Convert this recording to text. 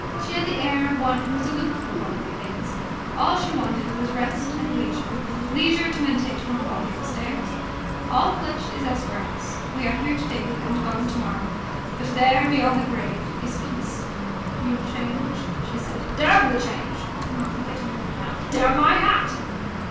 She had the air of one who is aloof from worldly things. All she wanted was rest and leisure leisure to meditate upon the body upstairs. All flesh is as grass. We are here today and gone tomorrow. But there, beyond the grave, is peace. "Your change?" she said. "Damn the change!" "You are forgetting your hat." "Damn my hat!"